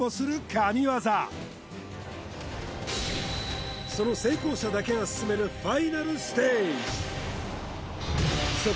神業その成功者だけが進めるファイナルステージ